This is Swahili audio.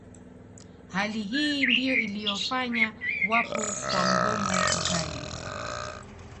Hali hii ndiyo iliyofanya kuwapo kwa mgomo mkali